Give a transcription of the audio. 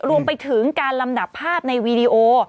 รวมไปถึงการลำดับภาพในวีดีโอ